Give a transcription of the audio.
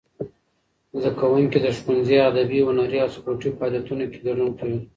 زدهکوونکي د ښوونځي ادبي، هنري او سپورتي فعالیتونو کي ګډون کوي.